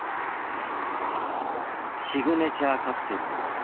シグネチャーカクテル。